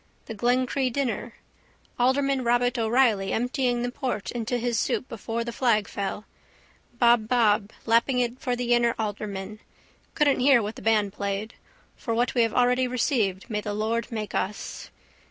The Glencree dinner. Alderman Robert O'Reilly emptying the port into his soup before the flag fell. Bobbob lapping it for the inner alderman. Couldn't hear what the band played. For what we have already received may the Lord make us.